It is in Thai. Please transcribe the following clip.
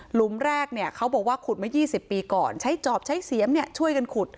หลุมแรกเนี่ยเขาบอกว่าขุดมายี่สิบปีก่อนใช้จอบใช้เสียมเนี่ยช่วยกันขุด